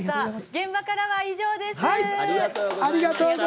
現場からは以上です。